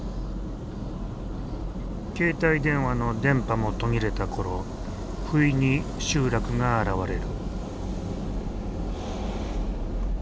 携帯電話の電波も途切れたころふいに集落が現れる。